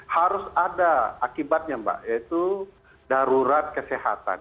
harus ada akibatnya mbak yaitu darurat kesehatan